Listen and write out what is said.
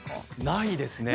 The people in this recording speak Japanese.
ないですね。